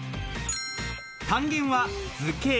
単元は図形。